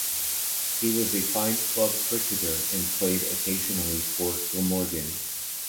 He was a fine club cricketer and played occasionally for Glamorgan.